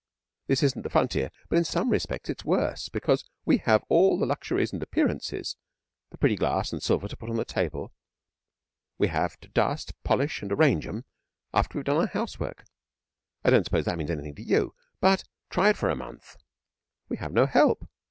This isn't the frontier, but in some respects it's worse, because we have all the luxuries and appearances the pretty glass and silver to put on the table. We have to dust, polish, and arrange 'em after we've done our housework. I don't suppose that means anything to you, but try it for a month! We have no help.